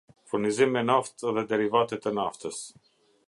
Furnizim me naftë dhe derivate të naftës